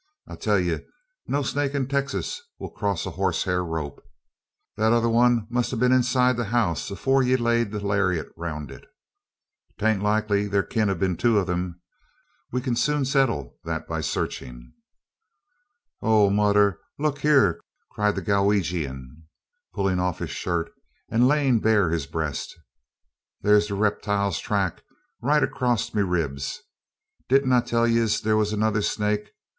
"I tell ye no snake in Texas will cross a hosshair rope. The tother 'un must ha' been inside the house afore ye laid the laryitt roun' it. 'Taint likely there keel ha' been two on 'em. We kin soon settle that by sarchin'." "Oh, murdher! Luk hare!" cried the Galwegian, pulling off his shirt and laying bare his breast. "Thare's the riptoile's track, right acrass over me ribs! Didn't I tell yez there was another snake?